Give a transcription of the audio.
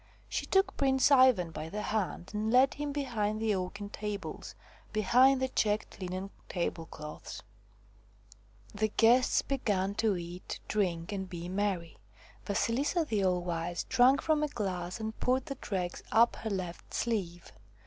She took Prince Ivan by the hand and led him behind the oaken tables, behind the checked linen tablecloths. 122 THE FROG QUEEN The guests began to eat, drink, and be merry. Vasilisa the All Wise drank from a glass and poured the dregs up her left sleeve.